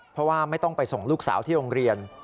เพราะว่าไม่ต้องไปส่งลูกสาวที่โรงเรียน